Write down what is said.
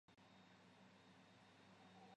尖齿毛木荷为山茶科木荷属下的一个变种。